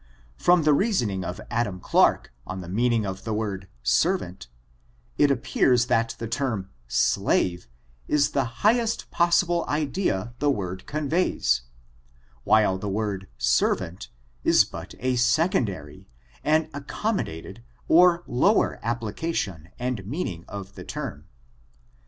From the reasoning of Adam Clarke on the mean ing of the word servant, it appears that the term stave is the highest possible idea the word conveys, while the word servant is but a secondary, an accommo dated, or lower application and meaning of the term.